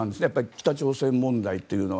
北朝鮮問題というのは。